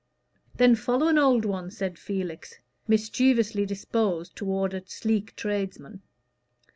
"Then follow an old one," said Felix, mischievously disposed toward a sleek tradesman.